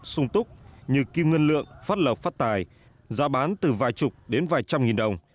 sung túc như kim ngân lượng phát lợp phát tài giá bán từ vài chục đến vài trăm nghìn đồng